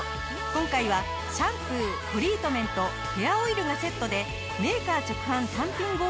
今回はシャンプートリートメントヘアオイルがセットでメーカー直販単品合計価格